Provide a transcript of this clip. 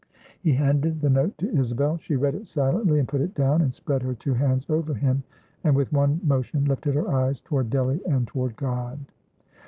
He handed the note to Isabel. She read it silently, and put it down, and spread her two hands over him, and with one motion lifted her eyes toward Delly and toward God.